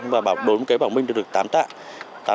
và đối với cái bảo minh thì được tám tạ